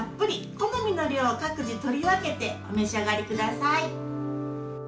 好みの量を各自、取り分けてお召し上がりください。